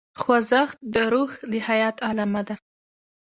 خوځښت د روح د حیات علامه ده.